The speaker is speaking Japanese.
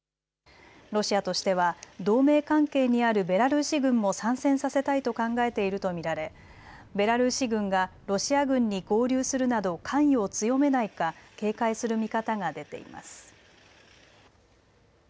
ロシアとしては同盟関係にあるベラルーシ軍も参戦させたいと考えていると見られベラルーシ軍がロシア軍に合流するなど関与を強めないか警戒する見方が出ています。